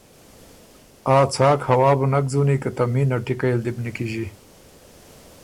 آ څاک هوا بُو نک ځُونی که ته مینه ټِکئ ل دی بو نیکیݫی